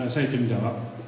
saya ijinkan menjawab